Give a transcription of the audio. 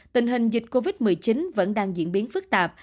tình hình dịch covid một mươi chín vẫn đang diễn biến phức tạp